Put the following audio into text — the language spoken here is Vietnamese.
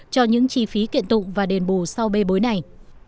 cho những chi phí kiện tụng và đền bù sau bê bối này